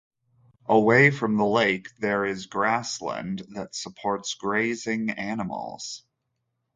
Away from the lake there is grassland that supports grazing animals.